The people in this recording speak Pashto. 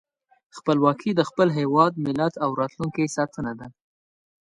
خپلواکي د خپل هېواد، ملت او راتلونکي ساتنه ده.